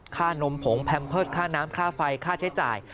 นมผงแพมเพิร์สค่าน้ำค่าไฟค่าใช้จ่าย